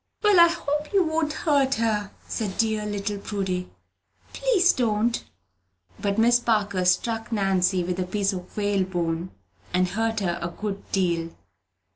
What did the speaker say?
"Well, I hope you won't hurt her," said dear little Prudy. "Please to don't." But Miss Parker struck Nancy with a piece of whalebone, and hurt her a good deal.